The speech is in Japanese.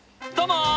どうも。